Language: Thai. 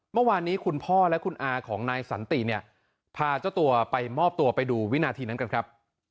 เมื่อวานนี้คุณพ่อและคุณอาของนายสันติเนี่ยพาเจ้าตัวไปมอบตัวไปดูวินาทีนั้นกันครับ